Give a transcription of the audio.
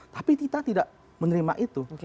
tapi kita tidak menerima itu